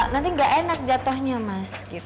nanti nggak enak jatohnya mas